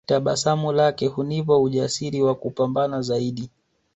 Tabasamu lake hunipa ujasiri wa kupambana zaidi